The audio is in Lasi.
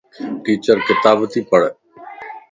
ٽيچر ڪتاب تي پڙھ